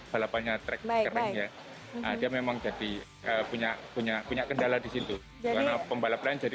balapannya track kering ya dia memang jadi punya punya kendala di situ karena pembalap lain jadi